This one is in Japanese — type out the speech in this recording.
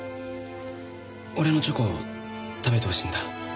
俺のチョコ食べてほしいんだ。